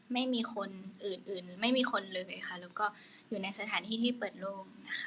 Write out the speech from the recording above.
ไม่มีคนอื่นอื่นไม่มีคนเลยค่ะแล้วก็อยู่ในสถานที่ที่เปิดโล่งนะคะ